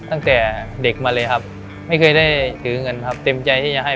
ตั้งแต่เด็กมาเลยครับไม่เคยได้ถือเงินครับเต็มใจให้พ่อแม่เลยครับ